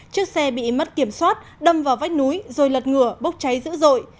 chiếc xe bị mất kiểm soát đâm vào vách núi rồi lật ngửa bốc cháy dữ dội